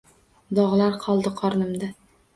Dog’lar qoldi qonimdan.